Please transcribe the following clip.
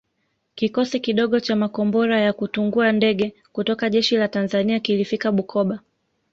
Kikosi kidogo cha makombora ya kutungua ndege kutoka jeshi la Tanzania kilifika Bukoba